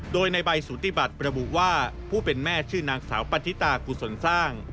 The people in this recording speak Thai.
โดยในใบสูติบัติระบุว่าผู้เป็นแม่ชื่อนางสาวปฏิตากุศลสร้าง